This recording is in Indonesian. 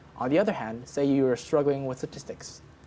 sebagai contoh katakanlah anda berjuang dengan statistik